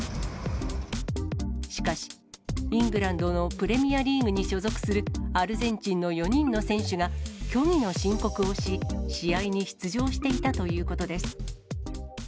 しかし、イングランドのプレミアリーグに所属するアルゼンチンの４人の選手が虚偽の申告をし、試合に出場していたということです。